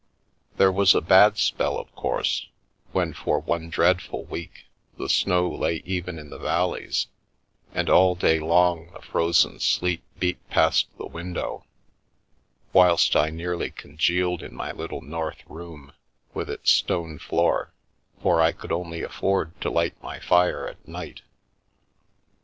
There was a bad spell, of course, when for one dreadful week the snow lay even in the valleys, and all day long the frozen sleet beat past the window, whilst I nearly congealed in my little north room with its stone floor, for I could only afford to light my fire ~,o I Get Me to a Nunnery at night.